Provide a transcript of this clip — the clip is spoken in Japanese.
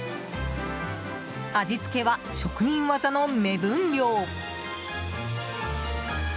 味付けは職人技の目分量！